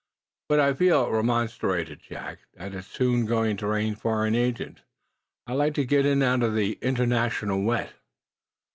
"But I feel," remonstrated Jack, "that it's soon going to rain foreign agents. I'd like to get in out of the international wet."